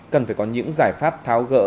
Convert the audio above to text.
cần phải có những giải pháp tháo gỡ